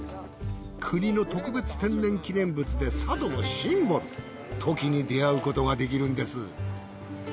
国の特別天然記念物で佐渡のシンボルトキに出会うことができるんです。